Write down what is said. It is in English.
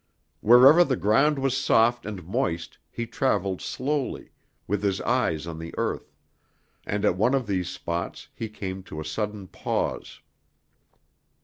Wherever the ground was soft and moist he traveled slowly, with his eyes on the earth, and at one of these spots he came to a sudden pause.